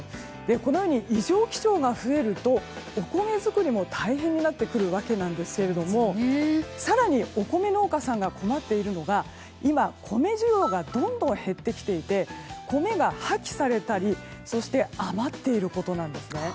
このように異常気象が増えるとお米作りも大変になってきますが更に、お米農家さんが困っているのが今、米需要がどんどん減ってきていて米が破棄されたり余っていることなんですね。